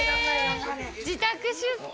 自宅出産！